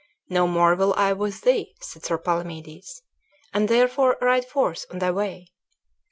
"No more will I with thee," said Sir Palamedes, "and therefore ride forth on thy way."